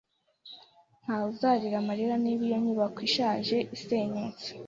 Ntawe uzarira amarira niba iyo nyubako ishaje isenyutse.